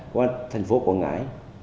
công an thành phố quảng ngãi